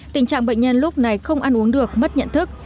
tình trạng bệnh nhân lúc này không ăn uống được mất nhận thức